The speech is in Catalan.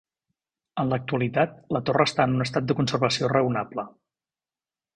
En l'actualitat la torre està en un estat de conservació raonable.